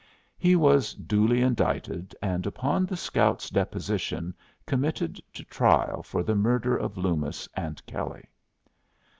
He was duly indicted, and upon the scout's deposition committed to trial for the murder of Loomis and Kelley.